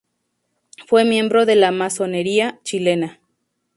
Fue miembro de la masonería chilena.